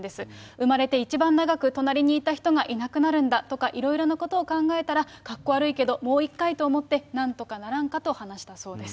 生まれて一番長く隣にいた人がいなくなるんだとか、いろいろなことを考えたら、かっこ悪いけどもう１回と思って、なんとかならんかと話したそうです。